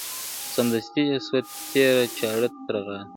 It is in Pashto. سمدستي یې سوه تېره چاړه تر غاړه ,